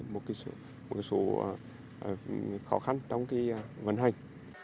một số khó khăn trong vận hành